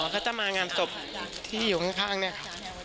เขาจะมางานศพที่อยู่ข้างเนี่ยค่ะ